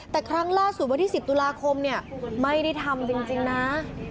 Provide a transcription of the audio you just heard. แต่ครั้งล่าสุดวันที่๑๐ตุลาคมเนี่ยไม่ได้ทำจริงนะ